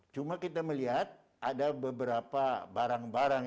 cuma kita melihat ada beberapa barang barang